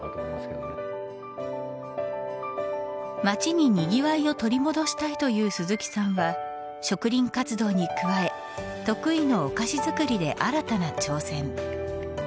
街ににぎわいを取り戻したいという鈴木さんは植林活動に加え得意のお菓子作りで新たな挑戦。